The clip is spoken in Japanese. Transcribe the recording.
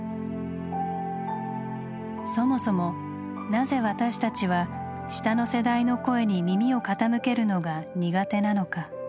そもそもなぜ私たちは下の世代の声に耳を傾けるのが苦手なのか？